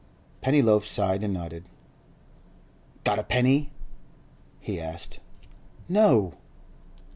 Pennyloaf sighed and nodded. 'Got a 'apenny?' he asked. 'No.